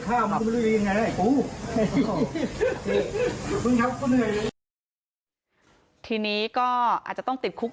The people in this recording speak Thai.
พึงครับก็เหนื่อยทีนี้ก็อาจจะต้องติดคุก